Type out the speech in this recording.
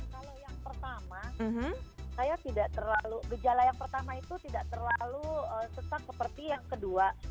kalau yang pertama saya tidak terlalu gejala yang pertama itu tidak terlalu sesak seperti yang kedua